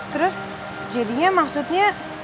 terus jadinya maksudnya